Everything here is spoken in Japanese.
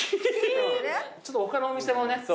ちょっと他のお店もね。